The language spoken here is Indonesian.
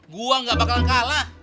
gua gak bakalan kalah